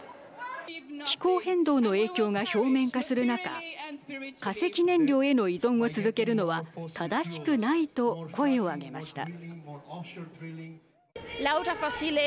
気候変動の影響が表面化する中化石燃料への依存を続けるのは正しくないと声を上げました。